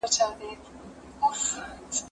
کېدای سي سفر ستونزي ولري!